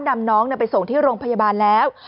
นำน้องไปส่งที่โรงพยาบาลแล้ว